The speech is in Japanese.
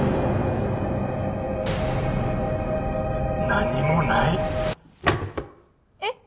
「何もない」えっ？